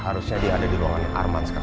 harusnya dia ada di ruangan arman sekarang